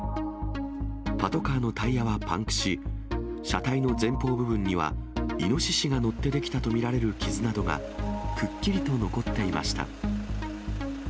パトカーのタイヤはパンクし、車体の前方部分には、イノシシが乗って出来たと見られる傷などがくっきりと残っていました。